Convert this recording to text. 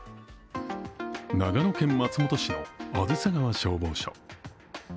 長野県松本市の梓川消防署。